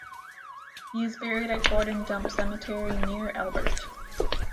He is buried at Gordon Dump Cemetery, near Albert.